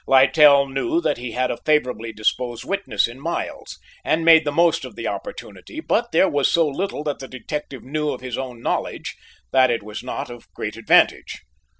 Littell knew that he had a favorably disposed witness in Miles and made the most of the opportunity, but there was so little that the detective knew of his own knowledge that it was not of great advantage.